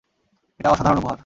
এটা অসাধারণ উপহার।